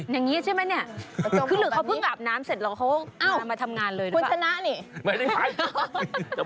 คือหรือเขาเพิ่งอาบน้ำเสร็จหรือเขา